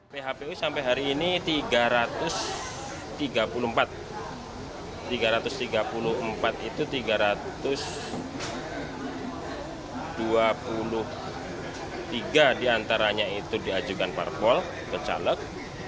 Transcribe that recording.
phpu sampai hari ini tiga ratus tiga puluh empat tiga ratus tiga puluh empat itu tiga ratus dua puluh tiga diantaranya itu diajukan parpol ke caleg